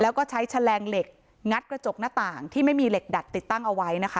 แล้วก็ใช้แฉลงเหล็กงัดกระจกหน้าต่างที่ไม่มีเหล็กดัดติดตั้งเอาไว้นะคะ